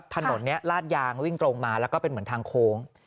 ถนนนี้ลาดยางวิ่งตรงมาแล้วก็เป็นเหมือนทางโค้ง